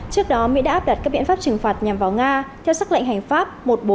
trước đó mỹ đã áp đặt các biện pháp trừng phạt nhằm vào nga theo xác lệnh hành pháp một mươi bốn nghìn hai mươi bốn